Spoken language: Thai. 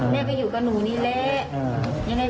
แม่ก็อยู่กับหนูนี่แหละ